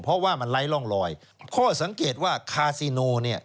เพราะว่ามันไล่ล่องลอยข้อสังเกตว่าคาซิโน